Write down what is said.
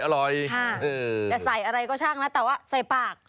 อร่อยจะใส่อะไรก็ช่างนะแต่ว่าใส่ปาก